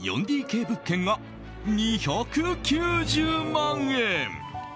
４ＤＫ物件が、２９０万円！